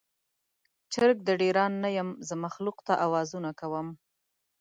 چرګ د ډیران نه یم، زه مخلوق ته اوازونه کوم